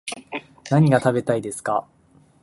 何が食べたいですか